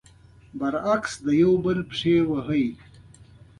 برعکس، د يو بل پښې وهي.